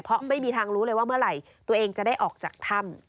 เพราะไม่มีทางรู้เลยว่าเมื่อไหร่ตัวเองจะได้ออกจากถ้ำ